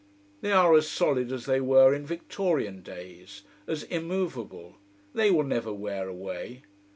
They are as solid as they were in Victorian days, as immovable. They will never wear away.